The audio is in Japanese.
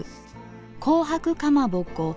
紅白かまぼこだて